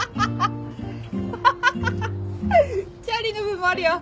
チャーリーの分もあるよ。